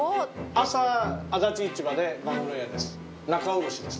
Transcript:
朝、足立市場でマグロ屋です、仲卸です。